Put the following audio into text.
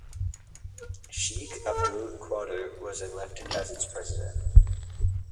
Sheikh Abdul Qadir was elected as its president.